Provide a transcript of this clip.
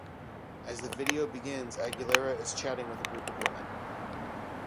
As the video begins, Aguilera is chatting with a group of women.